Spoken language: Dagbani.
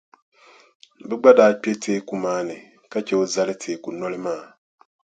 Bɛ gba daa kpe teeku maa ni ka che o zali teeku noli maa ni.